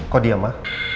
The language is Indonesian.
kok diam ma